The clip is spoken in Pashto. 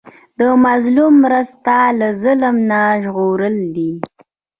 د مظلوم مرسته له ظلم نه ژغورل دي.